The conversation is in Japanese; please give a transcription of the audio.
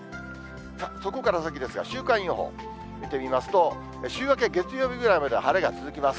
そこから先ですが、週間予報見てみますと、週明け月曜日ぐらいまで晴れが続きます。